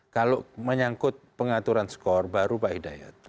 kalau menyangkut pengaturan skor baru pak hidayat